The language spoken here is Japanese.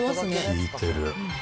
効いてる。